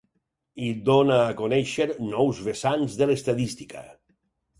Hi dóna a conèixer nous vessants de l’Estadística.